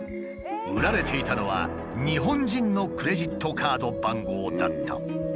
売られていたのは日本人のクレジットカード番号だった。